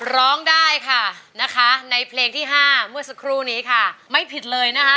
ร้องได้ค่ะนะคะในเพลงที่๕เมื่อสักครู่นี้ค่ะไม่ผิดเลยนะคะ